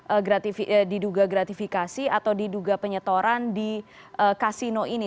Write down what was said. atau diduga gratifikasi atau diduga penyetoran di kasino ini